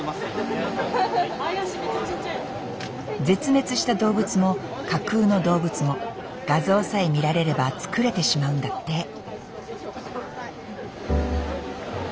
絶滅した動物も架空の動物も画像さえ見られれば作れてしまうんだって。